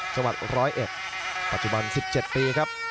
จังหวัด๑๐๑ปัจจุบัน๑๗ปีครับ